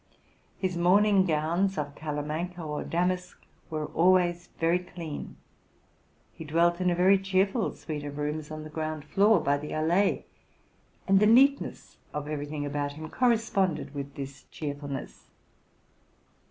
His morning gowns, of calamanco or damask, were always very clean. He dwelt in a ve ry cheer ful suite of rooms on the ground floor by the Allée, and the neatness of every thing about him corresponded with this cheerfulness.